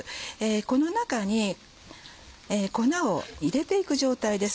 この中に粉を入れていく状態です。